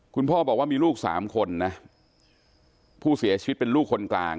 คุณพ่อบอกว่ามีลูกสามคนนะผู้เสียชีวิตเป็นลูกคนกลาง